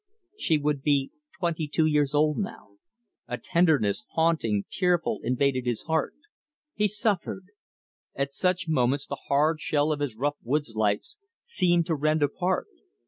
She would be twenty two years old now. A tenderness, haunting, tearful, invaded his heart. He suffered. At such moments the hard shell of his rough woods life seemed to rend apart.